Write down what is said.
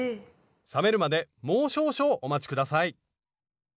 冷めるまでもう少々お待ち下さい。